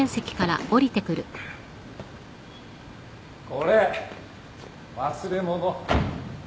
・これ忘れ物。